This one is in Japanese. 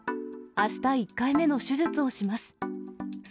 あした１回目の手術をします。